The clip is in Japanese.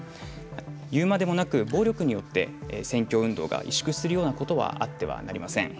言うまでもなく暴力によって選挙運動が萎縮するようなことがあってはなりません。